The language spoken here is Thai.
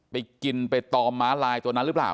ไปกินไปตอมม้าลายตัวนั้นหรือเปล่า